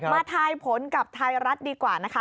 ทายผลกับไทยรัฐดีกว่านะคะ